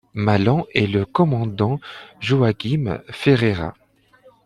Malan et le commandant Joachim Ferreira.